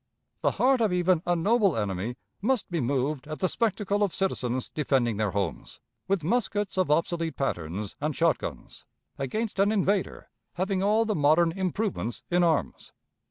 The heart of even a noble enemy must be moved at the spectacle of citizens defending their homes, with muskets of obsolete patterns and shot guns, against an invader having all the modern improvements in arms.